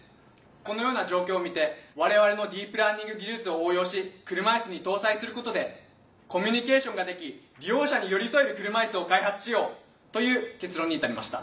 このような状況を見て我々のディープラーニング技術を応用し車いすに搭載することでコミュニケーションができ利用者に寄り添える車いすを開発しようという結論に至りました。